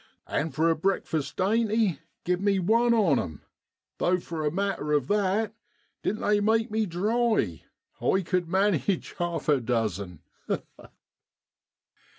And for a breakfast dainty give me one on 'em, though for a matter of that, didn't they make me dry, I cud manage half a dozen.